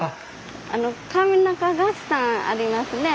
あの上中ガスさんありますね